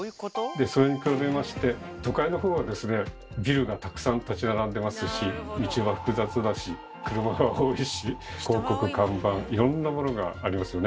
それに比べまして都会のほうはですねビルがたくさん立ち並んでますし道は複雑だし車が多いし広告看板いろんなものがありますよね。